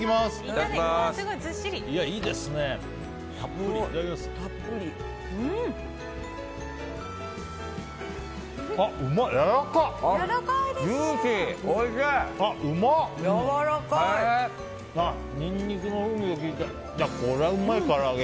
これはうまいから揚げ。